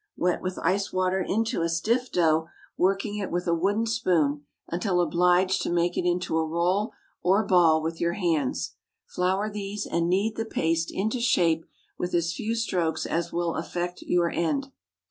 Wet with ice water into a stiff dough, working it with a wooden spoon until obliged to make it into a roll or ball with your hands. Flour these, and knead the paste into shape with as few strokes as will effect your end.